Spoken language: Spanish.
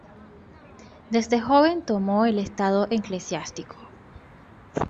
Desde joven tomó el estado eclesiástico.